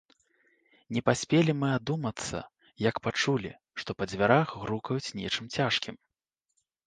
Не паспелі мы адумацца, як пачулі, што па дзвярах грукаюць нечым цяжкім.